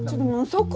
そこ？